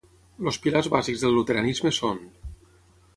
Els pilars bàsics del Luteranisme són: